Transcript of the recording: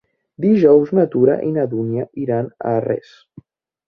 Dijous na Tura i na Dúnia iran a Arres.